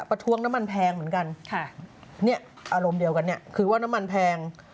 ประท้วงน้ำมันแพงเหมือนกันอารมณ์เดียวกันคือว่าน้ำมันแพง